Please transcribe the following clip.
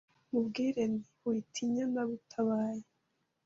nkubwire nti: Witinya, ndagutabaye